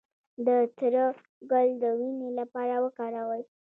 د تره ګل د وینې لپاره وکاروئ